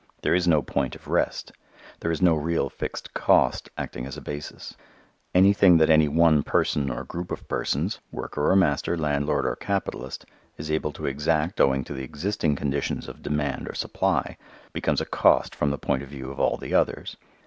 There is no point of rest. There is no real fixed "cost" acting as a basis. Anything that any one person or group of persons worker or master, landlord or capitalist is able to exact owing to the existing conditions of demand or supply, becomes a "cost" from the point of view of all the others.